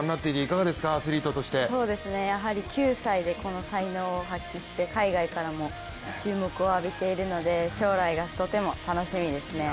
９歳でこの才能を発揮して海外からも注目を浴びているので将来がとても楽しみですね。